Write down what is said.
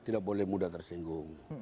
tidak boleh mudah tersinggung